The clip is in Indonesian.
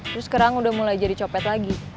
terus kerang udah mulai jadi copet lagi